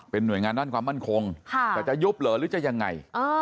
หน่วยงานด้านความมั่นคงแต่จะยุบเหรอหรือจะยังไง